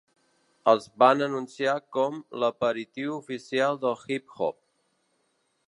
Els van anunciar com "L'aperitiu oficial del hip hop".